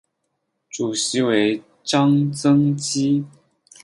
主席为张曾基。